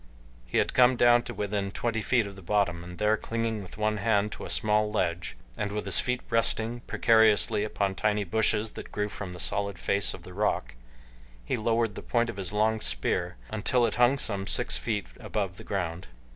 He had come down to within twenty feet of the bottom, and there, clinging with one hand to a small ledge, and with his feet resting precariously upon tiny bushes that grew from the solid face of the rock, he lowered the point of his long spear until it hung some six feet above the ground.